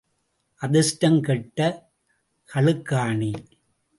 அதிர்ஷ்டம் கெட்ட கழுக்காணி.